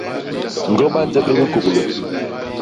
Ñgo ba nje bikôglô!